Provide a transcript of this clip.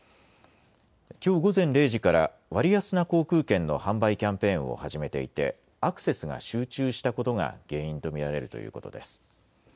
きょう午前０時から割安な航空券の販売キャンペーンを始めていてアクセスが集中したことが原因と見られるということです。